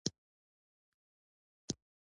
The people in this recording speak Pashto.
استاد د شخصیت جوړښت ته پاملرنه کوي.